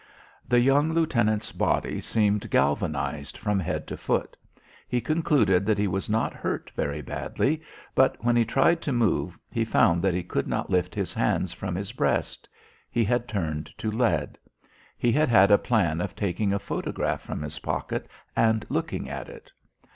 The young lieutenant's body seemed galvanised from head to foot. He concluded that he was not hurt very badly, but when he tried to move he found that he could not lift his hands from his breast. He had turned to lead. He had had a plan of taking a photograph from his pocket and looking at it.